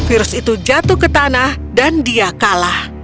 virus itu jatuh ke tanah dan dia kalah